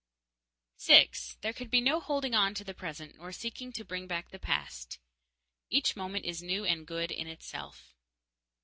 _6. There can be no holding on to the present nor seeking to bring back the past. Each moment is new and good in itself.